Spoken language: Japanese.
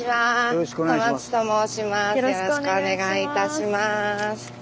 よろしくお願いします。